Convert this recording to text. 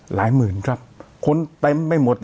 หลายหมื่นครับคนเต็มไม่หมดเลย